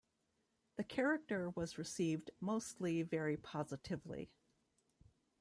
The character was received mostly very positively.